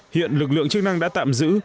hiện lực lượng chức năng đã tạm giữ